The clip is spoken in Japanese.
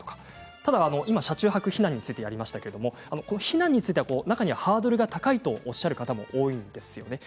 ただ車中泊避難についてやりましたが避難については中にはハードルが高いとおっしゃる方も多いんですよね。